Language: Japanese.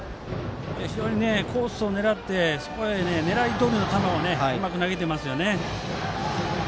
非常にコースを狙ってそこへ狙いどおりの球を投げていますね。